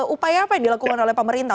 upaya apa yang dilakukan oleh pemerintah